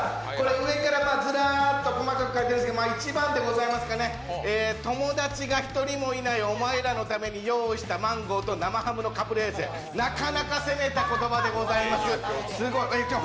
上からずらーっと細かく書いてあるんですけど１番でございますが、「友達が１人もいないお前らのために用意したマンゴーと生ハムのカプレーゼ」、なかなか攻めた言葉でございます。